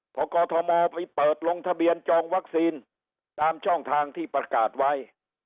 พอกอทมไปเปิดลงทะเบียนจองวัคซีนตามช่องทางที่ประกาศไว้